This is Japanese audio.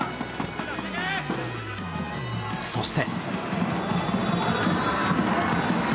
そして。